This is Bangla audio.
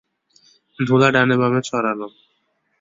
ধূলা ডানে-বামে ছড়ানো।